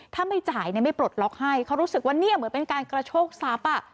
ถ้าไม่จ่ายเนี่ยไม่ปลดล็อกให้เขารู้สึกว่าเนี่ยเหมือนเป็นการกระโชคทรัพย์